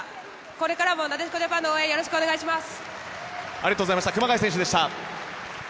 これからもなでしこジャパンの応援よろしくお願いします。